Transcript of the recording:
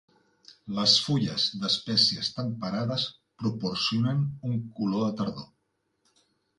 Les fulles d'espècies temperades proporcionen un color de tardor.